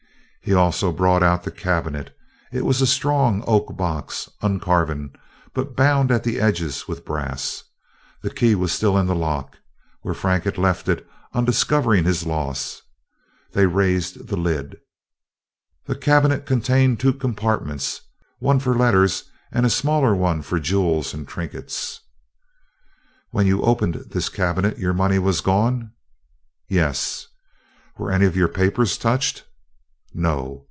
He also brought out the cabinet. It was a strong oak box, uncarven, but bound at the edges with brass. The key was still in the lock, where Frank had left it on discovering his loss. They raised the lid. The cabinet contained two compartments, one for letters and a smaller one for jewels and trinkets. "When you opened this cabinet, your money was gone?" "Yes." "Were any of your papers touched?" "No."